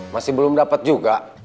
masih belum dapat juga